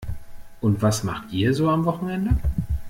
Und was macht ihr so am Wochenende?